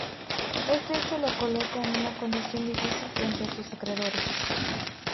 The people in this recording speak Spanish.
Este hecho lo coloca en una condición difícil frente a sus acreedores.